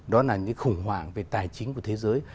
đó là những khủng hoảng về tài chính của thế giới